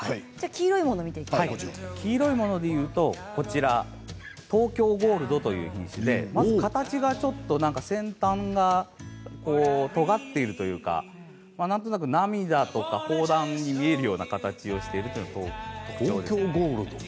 そして黄色いものは東京ゴールドという品種でまず形が先端がとがっているというかなんとなく涙とか砲弾に見えるような形をしているのが特徴です。